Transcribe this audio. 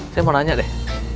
saya mau nanya deh